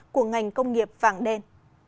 của ngành công nghiệp vàng đen